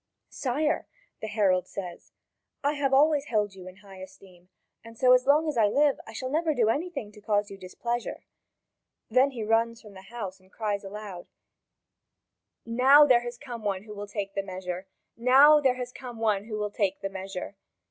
"Sire," the herald says, "I have always held you in high esteem, and so long as I live, I shall never do anything to cause you displeasure." Then he runs from the house and cries aloud: "Now there has come one who will take the measure! Now there has come one who will take the measure!"